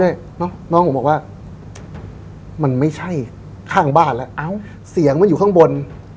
เนาะพี่แจ๊คบอกว่ามันไม่ใช่ขั้งบ้านละเสียงมันอยู่ข้างบน